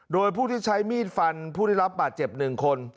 โดยผู้ที่ใช้มีดฟันผู้ที่รับปรับเจ็บหนึ่งคน